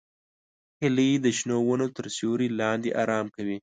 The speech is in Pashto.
هیلۍ د شنو ونو تر سیوري لاندې آرام کوي